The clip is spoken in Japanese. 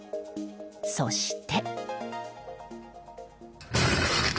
そして。